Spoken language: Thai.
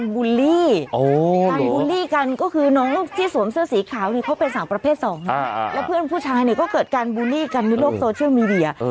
การบูลลี่กันก็คือน้องที่สวมเสื้อสีขาวเนี่ยเขาเป็นสาวประเภทสองแล้วเพื่อนผู้ชายเนี่ยก็เกิดการบูลลี่กันในโลกโซเชียลมีเดีย